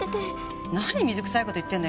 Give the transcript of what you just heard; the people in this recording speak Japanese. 何水くさいこと言ってんのよ。